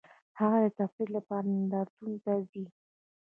هغه د تفریح لپاره نندارتونونو ته ځي